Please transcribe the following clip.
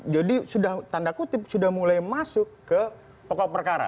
jadi tanda kutip sudah mulai masuk ke pokok perkara